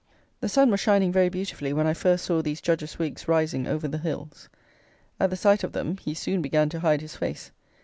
The sun was shining very beautifully when I first saw these Judges' wigs rising over the hills. At the sight of them he soon began to hide his face!